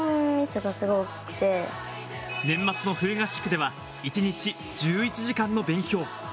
年末の冬合宿では一日１１時間の勉強。